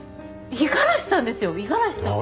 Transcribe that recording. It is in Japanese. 五十嵐さんですよ五十嵐さん。